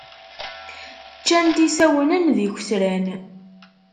Ččan-t isawnen d ikwesran.